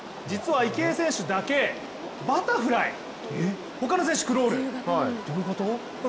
実は池江選手だけバタフライ、他の選手、クロール。